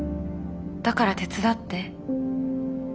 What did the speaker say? だから手伝って。